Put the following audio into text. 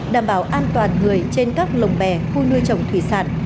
đảm bảo an toàn người trên các lồng bè khu nuôi trồng thủy sản